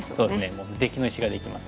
もう無敵の石ができます。